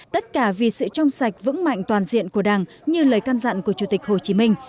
tất cả vì sự trong sạch vững mạnh toàn diện của đảng như lời can dặn của chủ tịch hồ chí minh